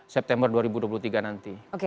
september dua ribu dua puluh tiga nanti